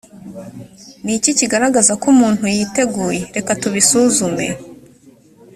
ni iki kigaragaza ko umuntu yiteguye reka tubisuzume